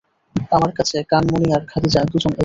আমার কাছে, কানমণি আর খাদিজা দুজন একই।